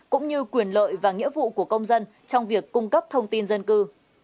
cũng như quyền lợi và nghĩa vụ của công dân trong việc cung cấp thông tin dân cư